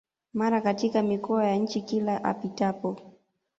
mara katika mikoa ya nchi Kila apitapo